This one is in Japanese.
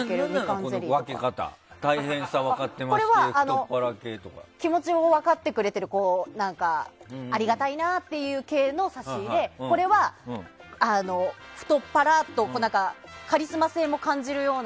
これは気持ちを分かってくれているありがたいなっていう系の差し入れでこれは、太っ腹カリスマ性を感じるような。